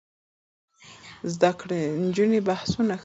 زده کړې نجونې بحثونه ښه کوي.